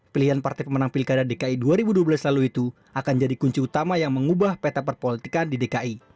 pilihan partai pemenang pilkada dki dua ribu dua belas lalu itu akan jadi kunci utama yang mengubah peta perpolitikan di dki